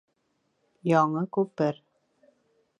ЯҢЫ КҮПЕР